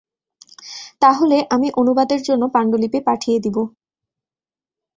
তাহলে, আমি অনুবাদের জন্য পাণ্ডুলিপি পাঠিয়ে দিব।